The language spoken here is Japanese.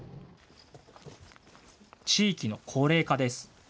地域の高齢化です。